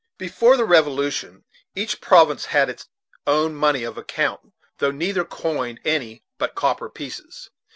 * Before the Revolution, each province had its own money of account though neither coined any but copper pieces.